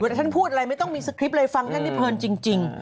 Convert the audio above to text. ฉันพูดอะไรไม่ต้องมีสคริปต์เลยฟังท่านนี้เพลินจริง